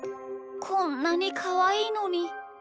こんなにかわいいのに。